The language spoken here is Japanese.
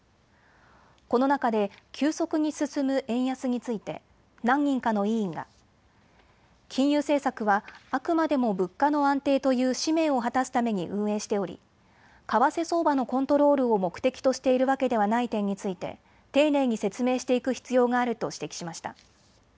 この中で急速に進む円安について何人かの委員が金融政策はあくまでも物価の安定という使命を果たすために運営しており為替相場のコントロールを目的としているわけではない点について丁寧に説明していく必要があると指摘しました。